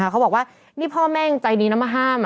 เขาบอกว่านี่พ่อแม่ยังใจดีนะมาห้าม